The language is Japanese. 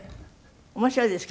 面白いですか？